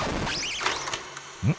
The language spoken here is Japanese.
うん？